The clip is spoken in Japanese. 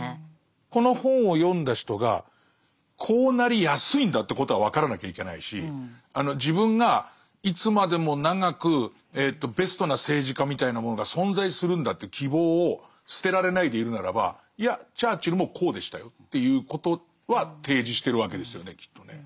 この本を読んだ人がこうなりやすいんだということは分からなきゃいけないし自分がいつまでも長くベストな政治家みたいなものが存在するんだという希望を捨てられないでいるならばいやチャーチルもこうでしたよっていうことは提示してるわけですよねきっとね。